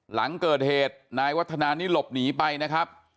หลังเกิดเหตุนายวัฒนานี่หลบหนีไปนะครับ